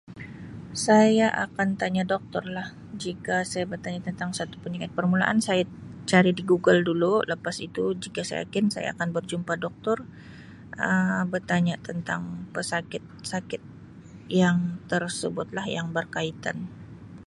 Saya akan tanya Doktor lah jika saya bertanya tentang sesuatu penyakit permulaan saya cari di Google dulu lepas itu jika saya yakin saya akan berjumpa Doktor Um bertanya tentang pesakit sakit yang tersebut lah yang berkaitan.